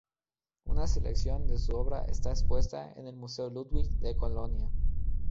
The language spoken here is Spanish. Una selección de su obra está expuesta en el Museo Ludwig de Colonia.